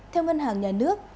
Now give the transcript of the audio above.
theo ngân hàng nhà nước